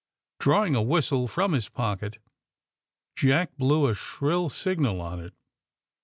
Drawing a whistle from his pocket Jack blew a shrill signal on it.